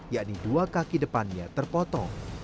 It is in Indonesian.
yakni dua kaki depannya terpotong